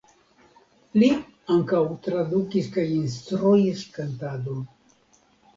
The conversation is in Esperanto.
Li ankaŭ tradukis kaj instruis kantadon.